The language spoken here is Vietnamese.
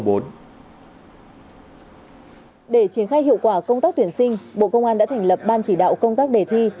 để triển khai hiệu quả công tác tuyển sinh bộ công an đã thành lập ban chỉ đạo công tác đề thi